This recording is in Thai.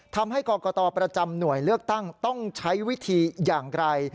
ทำให้กรกตประจำหน่วยเลือกตั้งต้องใช้วิธีอย่างไร